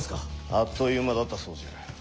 あっという間だったそうじゃ。